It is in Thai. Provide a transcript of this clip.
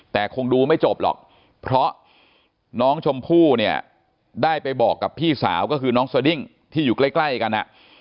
แต่คงดูไม่จบหรอกเพราะน้องชมพู่เนี่ยได้ไปบอกกับพี่สาวก็คือน้องสดิ้งที่อยู่ใกล้กัน